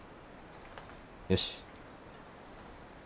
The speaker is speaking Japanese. よし。